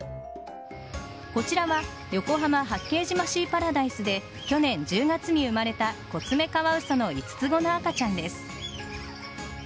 こちらは横浜・八景島シーパラダイスで去年１０月に生まれたコツメカワウソの５つ子の赤ちゃんです。